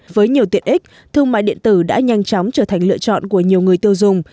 với nhiều tiện ích thương mại điện tử đã nhanh chóng trở thành lựa chọn của nhiều người tiêu dùng